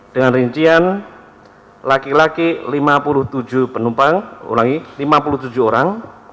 dengan rincian laki laki lima puluh tujuh orang